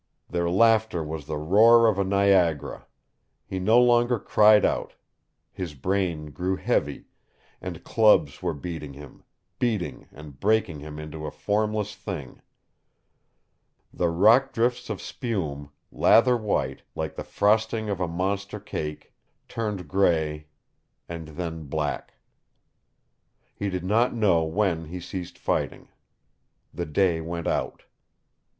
Their laughter was the roar of a Niagara. He no longer cried out. His brain grew heavy, and clubs were beating him beating and breaking him into a formless thing. The rock drifts of spume, lather white, like the frosting of a monster cake, turned gray and then black. He did not know when he ceased fighting. The day went out.